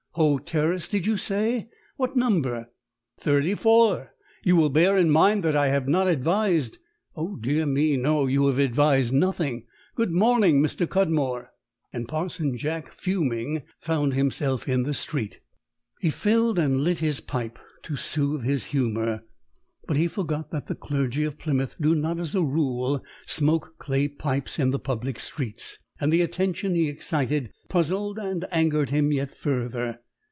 Hoe Terrace, did you say? What number?" "Thirty four. You will bear in mind that I have not advised " "Oh, dear me, no; you have advised nothing. Good morning, Mr. Cudmore!" And Parson Jack, fuming, found himself in the street. He filled and lit his pipe, to soothe his humour. But he forgot that the clergy of Plymouth do not as a rule smoke clay pipes in the public streets, and the attention he excited puzzled and angered him yet further.